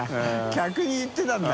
劼言ってたんだ。